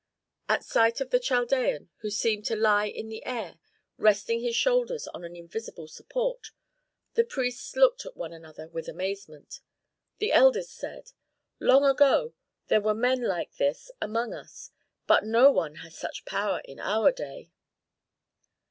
At sight of the Chaldean, who seemed to lie in the air, resting his shoulders on an invisible support, the priests looked at one another with amazement. The eldest said, "Long ago there were men like this among us, but no one has such power in our day."